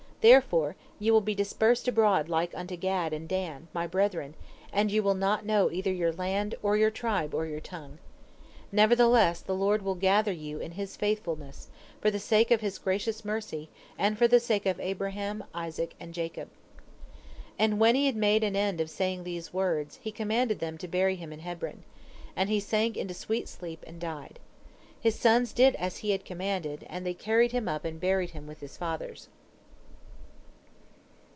Therefore ye will be dispersed abroad like unto Gad and Dan, my brethren, and you will not know either your land, or your tribe, or your tongue. Nevertheless the Lord will gather you in His faithfulness, for the sake of His gracious mercy, and for the sake of Abraham, Isaac, and Jacob." And when he had made an end of saying these words, he commanded them to bury him in Hebron. And he sank into sweet sleep, and died. His sons did as he had commanded, and they carried him up and buried him with his fathers.